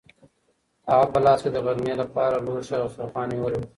هغې په لاس کې د غرمې لپاره لوښي او دسترخوان نیولي وو.